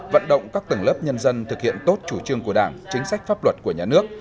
vận động các tầng lớp nhân dân thực hiện tốt chủ trương của đảng chính sách pháp luật của nhà nước